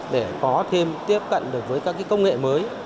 để có thêm tiếp cận được với các công nghệ mới